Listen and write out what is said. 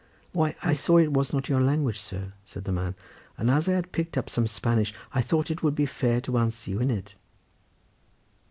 "Why, I saw it was not your language, sir," said the man, "and as I had picked up some Spanish I thought it would be but fair to answer you in it."